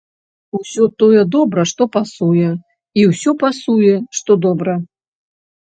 Усё тое добра, што пасуе, і ўсё пасуе, што добра!